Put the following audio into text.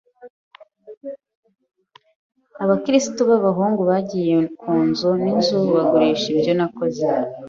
Abaskuti b'abahungu bagiye ku nzu n'inzu bagurisha ibyo bakoze.